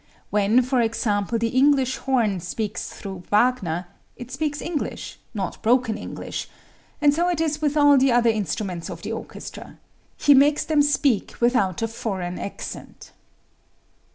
When, for example, the English horn speaks through Wagner, it speaks English, not broken English, and so it is with all the other instruments of the orchestra he makes them speak without a foreign accent.